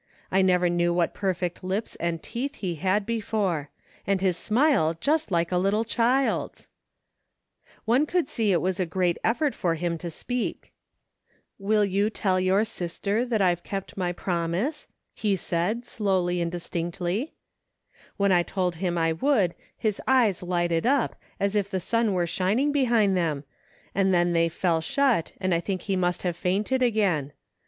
I never knew what perfect lips and teeth he had before — and his smile just like a little child's I " One could see it was a great effort for him to speak. 263 THE FINDING OF JASPER HOLT (t t Will you tell your sister that I've kept my prom ise ?' he said, slowly and distinctly. " When I told him I would, his eyes lighted up, as if the sun were shining behind them, and then they fell shut and I think he must have fainted again.